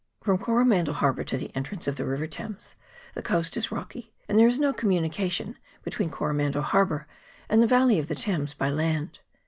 From Coromandel Harbour to the entrance of the river Thames the coast is rocky, and there is no communication between Coromandel Harbour and the valley of the Thames by land.